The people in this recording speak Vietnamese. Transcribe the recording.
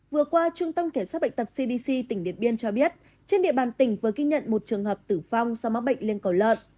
vừa qua trung tâm kẻ sát bệnh tập cdc tỉnh điện biên cho biết trên địa bàn tỉnh vừa ghi nhận một trường hợp tử phong sau mắc bệnh liên cầu lợn